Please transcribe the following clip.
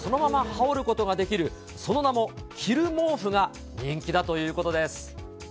羽織ることができる、その名も、着る毛布が人気だということです。